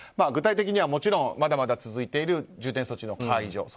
具体的はもちろんまだまだ続いている重点措置の解除